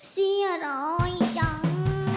เสียร้อยจัง